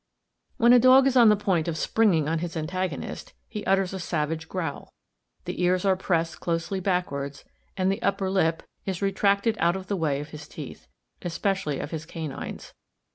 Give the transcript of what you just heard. When a dog is on the point of springing on his antagonist, he utters a savage growl; the ears are pressed closely backwards, and the upper lip (fig. 14) is retracted out of the way of his teeth, especially of his canines.